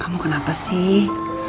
kamu kenapa sih